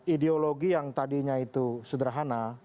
ideologi yang tadinya itu sederhana